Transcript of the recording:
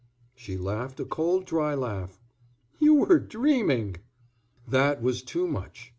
She laughed a cold, dry laugh. "You were dreaming." That was too much.